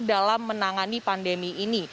dalam menangani pandemi ini